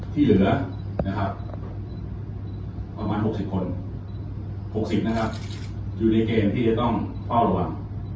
ที่เหลือนะครับประมาณ๖๐คน๖๐นะครับอยู่ในเกณฑ์ที่จะต้องเฝ้าระวัง